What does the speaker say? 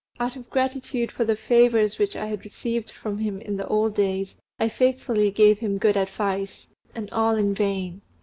out of gratitude for the favours which I had received from him in old days, I faithfully gave him good advice, and all in vain.